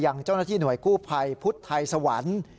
ยังเจ้าหน้าที่หน่วยกู้ภัยพุทธไทยสวรรค์